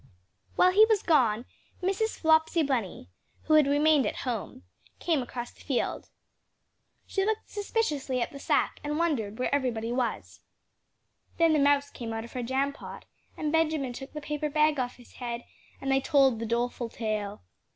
While he was gone, Mrs. Flopsy Bunny (who had remained at home) came across the field. She looked suspiciously at the sack and wondered where everybody was? Then the mouse came out of her jam pot, and Benjamin took the paper bag off his head, and they told the doleful tale.